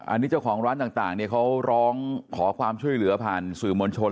อันนี้เจ้าของร้านต่างเนี่ยเขาร้องขอความช่วยเหลือผ่านสื่อมวลชน